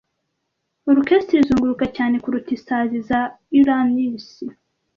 Orchestre izunguruka cyane kuruta isazi za Uranus,